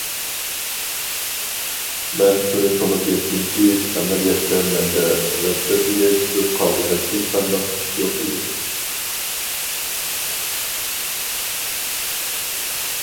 مەن شۇنى تونۇپ يەتتىمكى، ئەمەلىيەتتە مەندە ۋەسۋەسىگە چۈشۈپ قالغۇدەك ھېچقانداق ئىش يوق ئىدى.